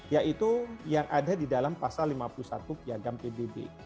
yaitu yang ada di dalam pasal lima puluh satu piagam pbb